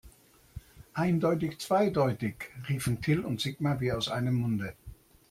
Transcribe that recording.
Eindeutig zweideutig, riefen Till und Sigmar wie aus einem Munde.